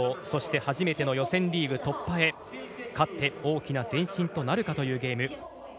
そして初めての予選リーグ突破へ勝って大きな前進となるかというゲーム。